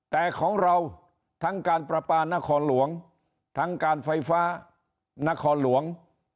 แต่ของเราทั้งการประปานครหลวงทั้งการไฟฟ้านครหลวง